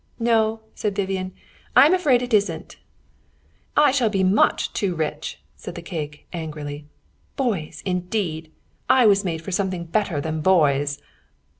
"No," said Vivian. "I'm afraid it isn't." "I shall be much too rich," said the cake, angrily. "Boys, indeed. I was made for something better than boys."